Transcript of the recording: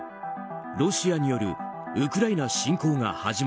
ロシアによるウクライナへの軍事侵攻です。